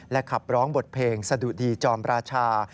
ขับร้องบทเพลงสะดุดีจอมราชา